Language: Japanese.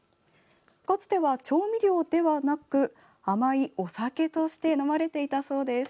かつては調味料ではなく甘いお酒として飲まれていたそうです。